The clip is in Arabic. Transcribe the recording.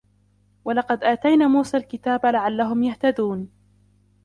وَلَقَدْ آتَيْنَا مُوسَى الْكِتَابَ لَعَلَّهُمْ يَهْتَدُونَ